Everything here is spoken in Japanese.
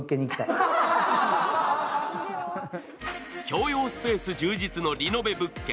共用スペース充実のリノベ物件。